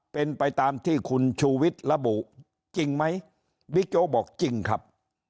เป็นไปตามที่คุณชุวิตระบุจริงไหมวิโยบอกจริงครับ